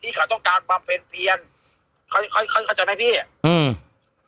ที่เขาต้องการกำเป็นเสียชเฉาได้พี่อืม